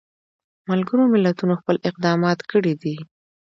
ملګرو ملتونو خپل اقدامات کړي دي.